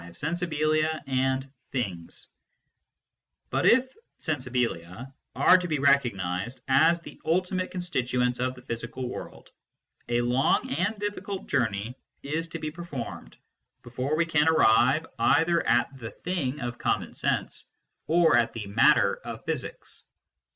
SENSIBILIA " AND But if " sensibilia " are to be recognised as the ultimate constituents of the physical world, a long and difficult journey is to be performed before we can arrive either at SENSE DATA AND PHYSICS 153 the " thing " of common sense or at the " matter " of physics.